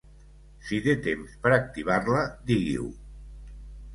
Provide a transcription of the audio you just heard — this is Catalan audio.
Si té temps per activar-la, digui-ho.